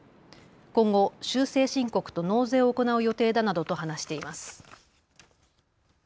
今後、修正申告と納税を行う予定だなどと話しています。